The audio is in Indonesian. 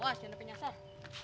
pahas jangan penyiasah